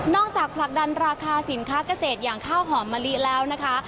จากผลักดันราคาสินค้าเกษตรอย่างข้าวหอมมะลิแล้วนะคะ